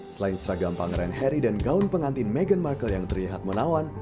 selain seragam pangeran harry dan gaun pengantin meghan markle yang terlihat menawan